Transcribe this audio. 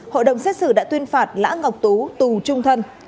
hội đồng xét xử đã tuyên phạt lã ngọc tú tù trung thân